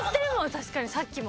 確かにさっきも。